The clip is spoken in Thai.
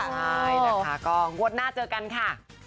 ใช่นะคะก็งวดหน้าเจอกันค่ะ